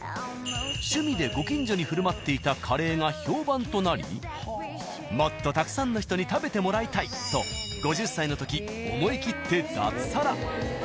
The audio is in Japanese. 趣味でご近所に振る舞っていたカレーが評判となりもっとたくさんの人に食べてもらいたいと５０歳の時思い切って脱サラ。